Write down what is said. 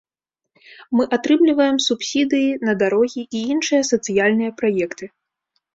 Мы атрымліваем субсідыі на дарогі і іншыя сацыяльныя праекты.